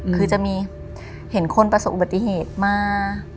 คือจะมีเห็นคนประสบอุบัติเหตุมา